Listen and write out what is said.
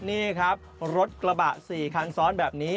นี่ครับรถกระบะ๔คันซ้อนแบบนี้